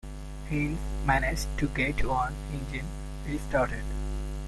Hines managed to get one engine restarted.